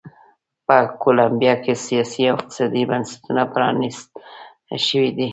په کولمبیا کې سیاسي او اقتصادي بنسټونه پرانیست شوي دي.